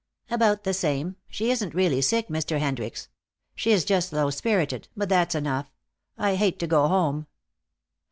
"About the same. She isn't really sick, Mr. Hendricks. She's just low spirited, but that's enough. I hate to go home."